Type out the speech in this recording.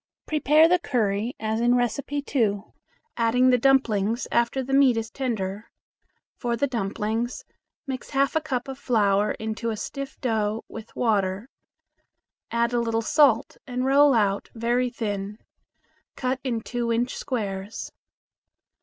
Prepare the curry as in No. 1, adding the dumplings after the meat is tender. For the dumplings, mix half a cup of flour into a stiff dough with water. Add a little salt, and roll out very thin. Cut in two inch squares.